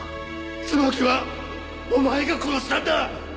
椿はお前が殺したんだ！